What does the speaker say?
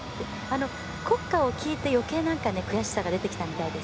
国歌を聴いて、よけい悔しさが。出てきたみたいです。